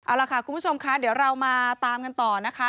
เอาล่ะค่ะคุณผู้ชมคะเดี๋ยวเรามาตามกันต่อนะคะ